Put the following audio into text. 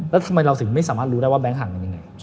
แล้วทำไมเราถึงไม่สามารถรู้ได้ว่าแก๊งห่างกันยังไง